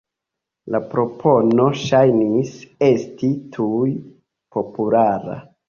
La propono ŝajnis esti tuj populara.